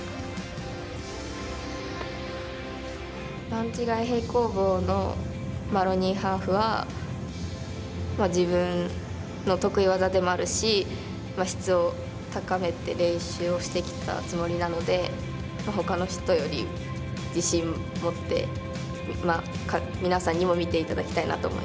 段違い平行棒のマロニーハーフは自分の得意技でもあるし質を高めて練習をしてきたつもりなのでほかの人より自信持って皆さんにも見ていただきたいなと思います。